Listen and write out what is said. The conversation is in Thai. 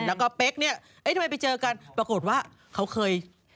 แล้วก็เป๊กเนี่ยเอ๊ะทำไมไปเจอกันปรากฏว่าเขาเคย